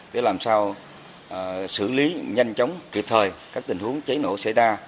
để làm sao xử lý nhanh chóng kịp thời các tình huống cháy nổ xảy ra